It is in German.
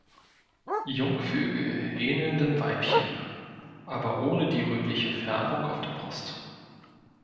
Jungvögel ähneln dem Weibchen, aber ohne die rötliche Färbung auf der Brust.